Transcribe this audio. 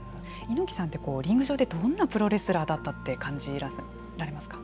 猪木さんってリング上ではどんなプロレスラーだったって感じられますか。